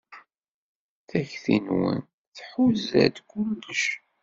Takti-nwen tḥuza-d kullec.